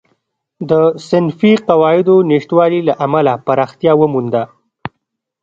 د صنفي قواعدو نشتوالي له امله پراختیا ومونده.